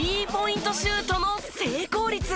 シュートの成功率。